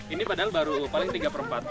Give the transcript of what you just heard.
ini padahal baru paling tiga per empat